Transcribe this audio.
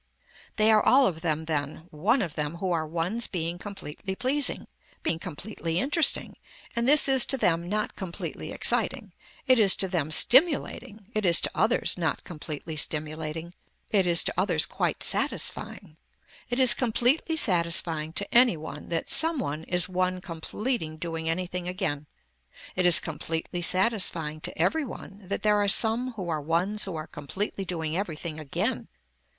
They are all of them then one of them who are ones being completely pleasing, being completely interesting and this is to them not completely exciting, it is to them stimulating, it is to others not completely stimulating, it is to others quite satisfying. It is completely satisfying to any one that some one is one completing doing anything again. It is completely satisfying to every one that there are some who are ones who are completely doing everything again.